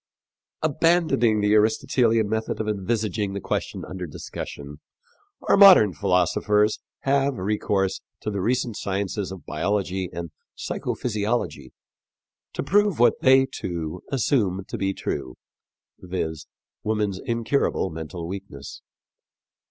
" Abandoning the Aristotelian method of envisaging the question under discussion, our modern philosophers have recourse to the recent sciences of biology and psycho physiology to prove what they, too, assume to be true viz., woman's incurable mental weakness.